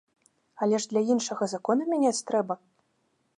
Але ж для іншага законы мяняць трэба!